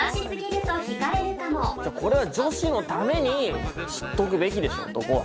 これは女子のために知っとくべきでしょ男は。